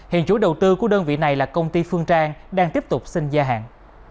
hiện chủ đầu tư của đơn vị này là công ty phương trang đang tiếp tục xin gia hạn